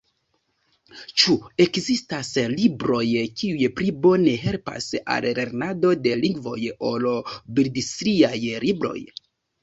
Ĉu ekzistas libroj, kiuj pli bone helpas al lernado de lingvoj, ol bildstriaj libroj?